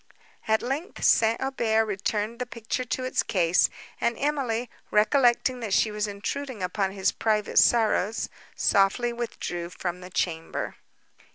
At length St. Aubert returned the picture to its case; and Emily, recollecting that she was intruding upon his private sorrows, softly withdrew from the chamber.